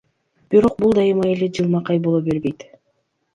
Бирок бул дайыма эле жылмакай боло бербейт.